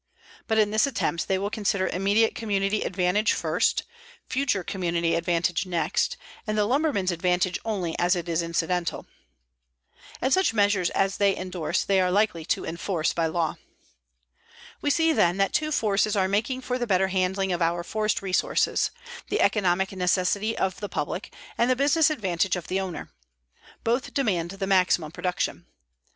But in this attempt they will consider immediate community advantage first, future community advantage next, and the lumberman's advantage only as it is incidental. And such measures as they endorse they are likely to enforce by law. We see, then, that two forces are making for the better handling of our forest resources; the economic necessity of the public and the business advantage of the owner. Both demand the maximum production.